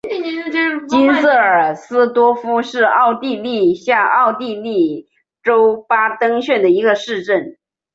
金瑟尔斯多夫是奥地利下奥地利州巴登县的一个市镇。